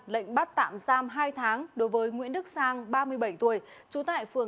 lệnh bắt tạm giam hai tháng đối với nguyễn đức sang ba mươi bảy tuổi